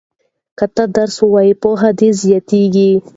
که ته درس ووایې پوهه دې زیاتیږي.